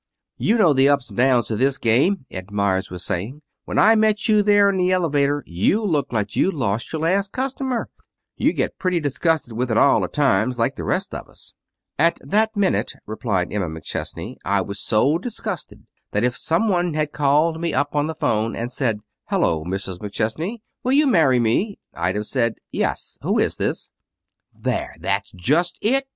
"You know the ups and downs to this game," Ed Meyers was saying. "When I met you there in the elevator you looked like you'd lost your last customer. You get pretty disgusted with it all, at times, like the rest of us." "At that minute," replied Emma McChesney, "I was so disgusted that if some one had called me up on the 'phone and said, 'Hullo, Mrs. McChesney! Will you marry me?' I'd have said: 'Yes. Who is this?'" "There! That's just it.